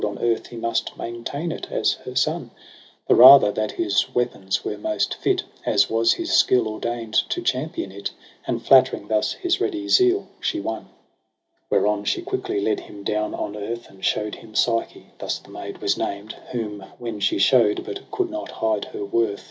On earth he must maintain it as her son ; The rather that his weapons were most fit. As was his skill ordain'd to champion it j And flattering thus his ready zeal she won. Sz EROS e? PSYCHE ai Whereon she quickly led him down on earth. And show'd him psyche, thus the maid was named; Whom when she show'd, but could not hide her worth.